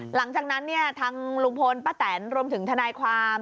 หลังจากนั้นทางลุงพลป้าแตนรวมถึงทนายความ